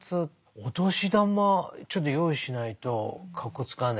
お年玉ちょっと用意しないとかっこつかねえなあ。